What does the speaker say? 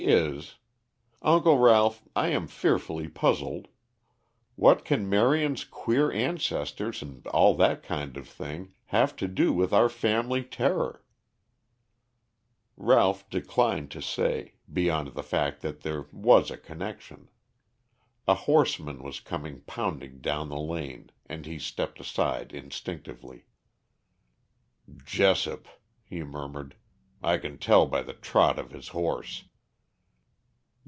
"She is. Uncle Ralph, I am fearfully puzzled. What can Marion's queer ancestors and all that kind of thing have to do with our family terror?" Ralph declined to say, beyond the fact that there was a connection. A horseman was coming pounding down the lane and he stepped aside instinctively. "Jessop," he murmured, "I can tell by the trot of his horse."